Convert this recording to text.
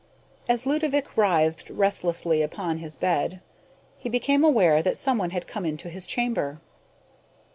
As Ludovick writhed restlessly upon his bed, he became aware that someone had come into his chamber.